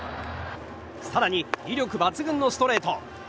更に、威力抜群のストレート。